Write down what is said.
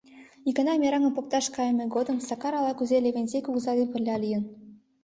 Икана, мераҥым покташ кайыме годым, Сакар ала-кузе Левентей кугыза дене пырля лийын.